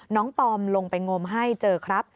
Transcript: ตอมลงไปงมให้เจอครับ